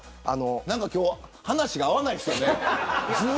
なんか今日話が合わないですね。